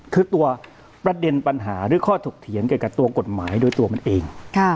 คือตัวประเด็นปัญหาหรือข้อถกเถียงเกี่ยวกับตัวกฎหมายโดยตัวมันเอง